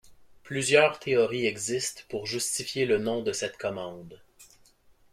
Plusieurs théories existent pour justifier le nom de cette commande.